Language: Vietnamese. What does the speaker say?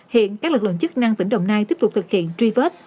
hiện các lực lượng chức năng tỉnh đồng nai tiếp tục thực hiện truy vết